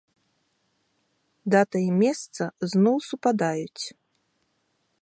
Дата і мейсца зноў супадаюць.